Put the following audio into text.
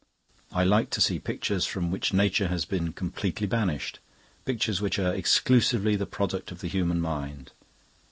I like to see pictures from which nature has been completely banished, pictures which are exclusively the product of the human mind.